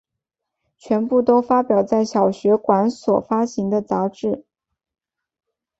全部都发表在小学馆所发行的杂志。